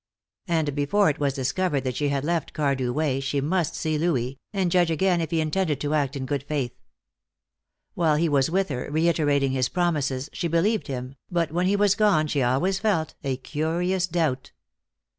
And before it was discovered that she had left Cardew Way she must see Louis, and judge again if he intended to act in good faith. While he was with her, reiterating his promises, she believed him, but when he was gone, she always felt, a curious doubt.